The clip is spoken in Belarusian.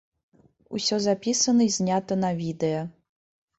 Усё запісана і знята на відэа.